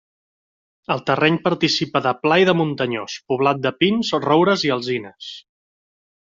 El terreny participa de pla i de muntanyós, poblat de pins, roures i alzines.